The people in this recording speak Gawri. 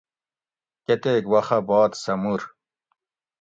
کۤتیک وخہ بعد سہ مور